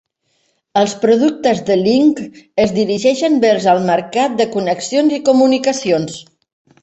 Els productes D-Link es dirigeixen vers el mercat de connexions i comunicacions.